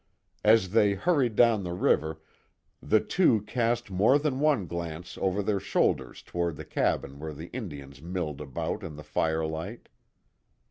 As they hurried down the river, the two cast more than one glance over their shoulders toward the cabin where the Indians milled about in the firelight.